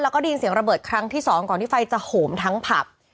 แล้วก็ได้ยินเสียงระเบิดครั้งที่สองก่อนที่ไฟจะโหมทั้งผับ